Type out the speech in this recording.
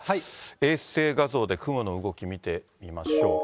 衛星画像で、雲の動き見てみましょう。